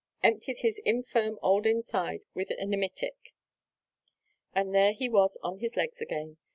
Emptied his infirm old inside with an emetic and there he was on his legs again.